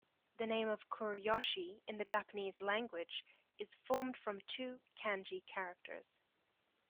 The name of Kurayoshi in the Japanese language is formed from two kanji characters.